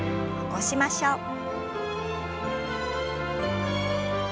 起こしましょう。